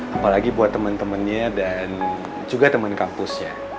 apalagi buat teman temannya dan juga teman kampusnya